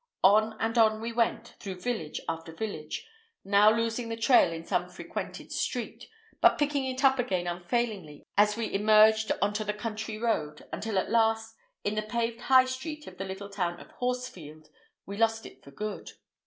On and on we went through village after village, now losing the trail in some frequented street, but picking it up again unfailingly as we emerged on to the country road, until at last, in the paved High Street of the little town of Horsefield, we lost it for good.